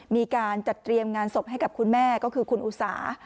มีการจัดเตรียมงานศพให้กับคุณแม่ก็คือคุณอุสา